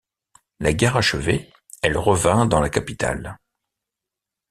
La guerre achevée, elle revint dans la capitale.